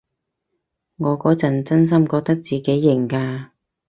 我嗰陣真心覺得自己型㗎